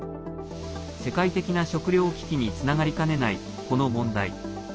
世界的な食糧危機につながりかねない、この問題。